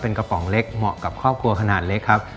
เป็นกระป๋องเล็กเหมาะกับครอบครัวขนาดเล็กครับ